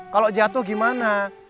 kalau jatuh gimana